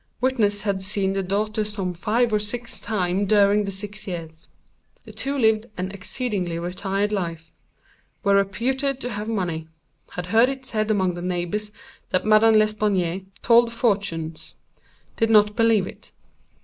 Witness had seen the daughter some five or six times during the six years. The two lived an exceedingly retired life—were reputed to have money. Had heard it said among the neighbors that Madame L. told fortunes—did not believe it.